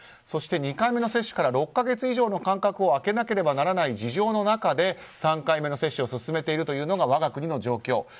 そして２回目の接種から６か月以上の間隔を空けなければいけない事情の中で３回目の接種を進めているというのが我が国の状況。